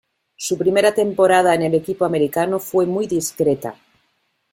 Su primera temporada en el equipo americano fue muy discreta.